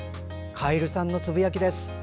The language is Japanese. かえるさんのつぶやきです。